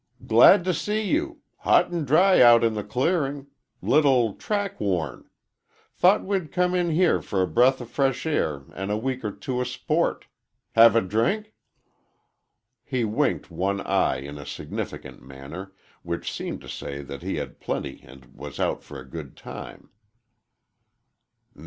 "Glad to see you. Hot an' dry out in the clearing. Little track worn. Thought we'd come in here for a breath o' fresh air an' a week or two o' sport. Have a drink?" He winked one eye in a significant manner, which seemed to say that he had plenty and was out for a good time.